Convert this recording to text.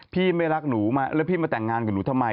พี่ไม่รักหนูแล้วพี่มาแต่งงานกับหนูทำไม